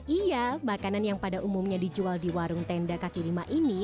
iya makanan yang pada umumnya dijual di warung tenda kaki lima ini